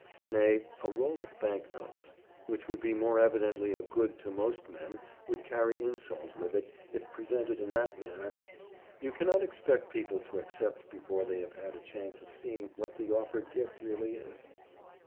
Nay, a roll of bank notes, which would be more evidently a good to most men, would carry insult with it if presented in that manner. You cannot expect people to accept before they have had a chance of seeing what the offered gift really is.